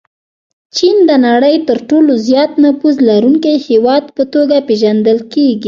چین د نړۍ د تر ټولو زیات نفوس لرونکي هېواد په توګه پېژندل کېږي.